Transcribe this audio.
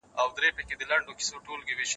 څېړونکو د اثر ډول معلوم کړئ و.